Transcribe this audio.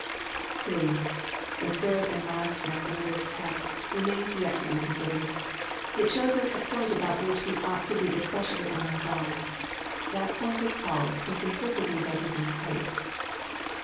III. The third and last lesson of the text remains yet to be considered. It shows us a point about which ice ought to be especially on our guard. That point is called " The simplicity that is in Christ."